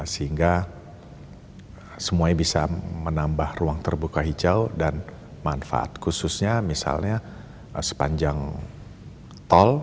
sehingga semuanya bisa menambah ruang terbuka hijau dan manfaat khususnya misalnya sepanjang tol